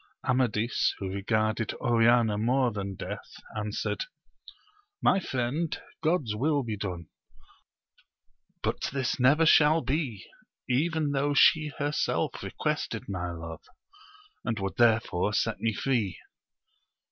Amadis, who regarded Oriana more than death, answered. My friend, God's will be done 1 but this never shall be, even though she herself re quested my love, and would therefore set me free